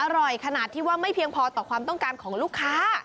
อร่อยขนาดที่ว่าไม่เพียงพอต่อความต้องการของลูกค้า